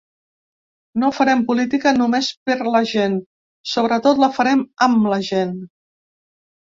No farem política només per la gent; sobretot la farem amb la gent.